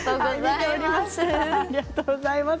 ありがとうございます。